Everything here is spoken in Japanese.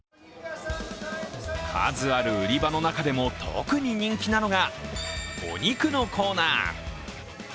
数ある売り場の中でも特に人気なのがお肉のコーナー。